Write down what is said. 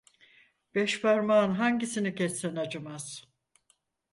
Beş parmağın hangisini kessen acımaz?